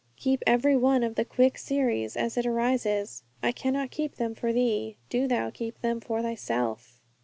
Keep every one of the quick series as it arises. I cannot keep them for Thee; do Thou keep them for Thyself!'